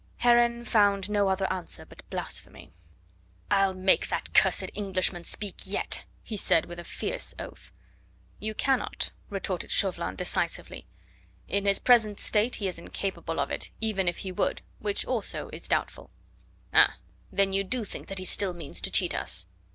Heron found no other answer but blasphemy. "I'll make that cursed Englishman speak yet," he said with a fierce oath. "You cannot," retorted Chauvelin decisively. "In his present state he is incapable of it, even if he would, which also is doubtful." "Ah! then you do think that he still means to cheat us?"